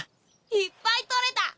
いっぱい採れた！